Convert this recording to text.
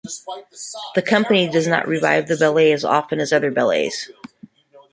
The company does not revive the ballet as often as other ballets.